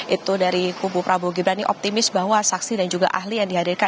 itu dari kubu prabowo gibran ini optimis bahwa saksi dan juga ahli yang dihadirkan